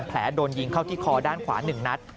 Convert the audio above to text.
โดนยิงเข้าที่คอด้านขวา๑นัด